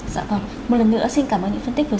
dạ vâng một lần nữa xin cảm ơn những phân tích vừa